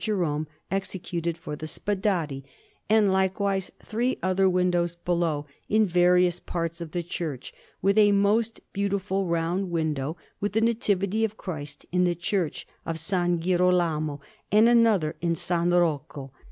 Jerome executed for the Spadari, and likewise three other windows below, in various parts of the church; with a most beautiful round window with the Nativity of Christ in the Church of S. Girolamo, and another in S. Rocco.